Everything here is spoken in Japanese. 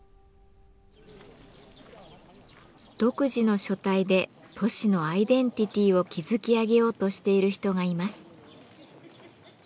独自の書体で都市のアイデンティティーを築き上げようとしている人がいます。